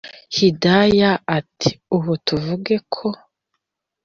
hidaya ati”ubu tuvuge ko